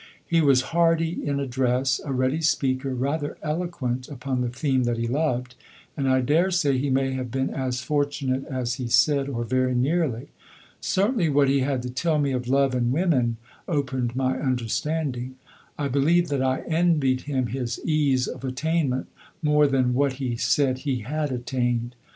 He was hardy in address, a ready speaker, rather eloquent upon the theme that he loved, and I dare say he may have been as fortunate as he said, or very nearly. Certainly what he had to tell me of love and women opened my understanding. I believe that I envied him his ease of attainment more than what he said he had attained.